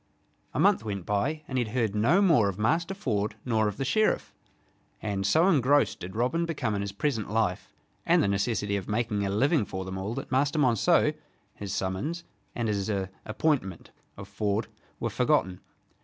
A month went by and he had heard no more of Master Ford nor of the Sheriff, and so engrossed did Robin become in his present life and the necessity of making a living for them all that Master Monceux, his summons, and his "appointment" of Ford were forgotten.